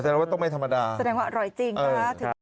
ว่าต้องไม่ธรรมดาแสดงว่าอร่อยจริงนะคะ